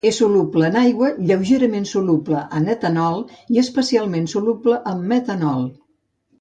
És soluble en aigua, lleugerament soluble en etanol, i especialment soluble en metanol.